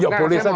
ya boleh saja